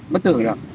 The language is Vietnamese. bất thường được